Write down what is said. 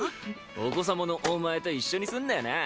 お子様のお前と一緒にすんなよな